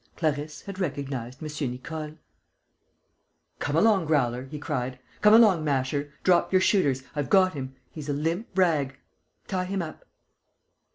Clarisse had recognized M. Nicole. "Come along, Growler!" he cried. "Come along, Masher! Drop your shooters: I've got him! He's a limp rag.... Tie him up."